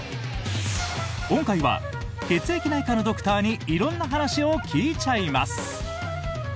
今回は血液内科のドクターに色んな話を聞いちゃいます！